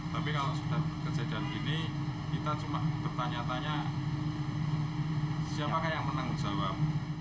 tapi kalau sudah kejadian begini kita cuma bertanya tanya siapakah yang menanggung jawab